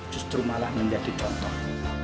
justru malah menjadi contoh